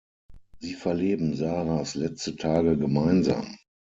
Sie verleben Sarahs letzte Tage gemeinsam.